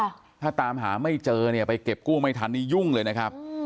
ถ้าตามหาไม่เจอเนี่ยไปเก็บกู้ไม่ทันนี่ยุ่งเลยนะครับ